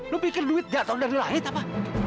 lu pikir duit jatuh dari langit apa